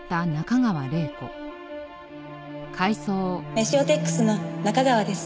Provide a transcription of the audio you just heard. メシオテックスの中川です。